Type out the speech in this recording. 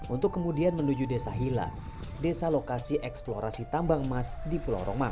untuk kemudian menuju desa hila desa lokasi eksplorasi tambang emas di pulau romang